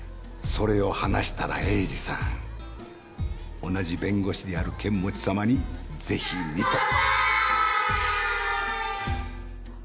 それを話したら栄治さん同じ弁護士である剣持さまにぜひにと。乾杯！